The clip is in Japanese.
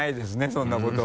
そんなことは。